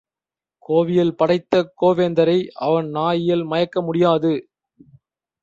கோவியல் படைத்த கோவேந்தரை அவன் நா இயல் மயக்க முடியாது.